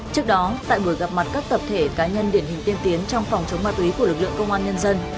trước đó tại buổi gặp mặt các tập thể cá nhân điển hình tiên tiến trong phòng chống ma túy của lực lượng công an nhân dân